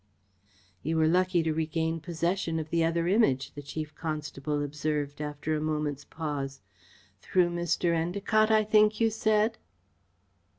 "You were lucky to regain possession of the other Image," the Chief Constable observed, after a moment's pause. "Through Mr. Endacott, I think you said?"